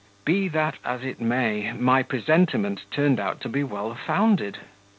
Be that as it may, my presentiment turned out to be well founded.